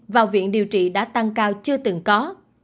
vào viện điều trị đã tăng cao chưa từng có